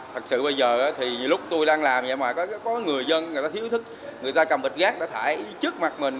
thật sự bây giờ thì lúc tôi đang làm vậy mà có người dân người ta thiếu ý thức người ta cầm bịch gác để thải trước mặt mình